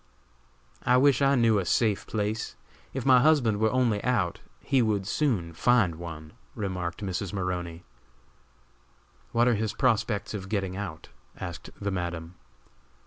"I wish I knew of a safe place. If my husband were only out, he would soon find one," remarked Mrs. Maroney. "What are his prospects for getting out?" asked the Madam.